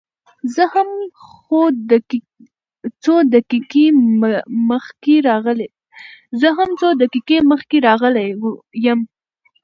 زه هم څو دقيقې مخکې راغلى يم.